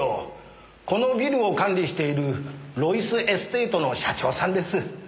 このビルを管理しているロイスエステートの社長さんです。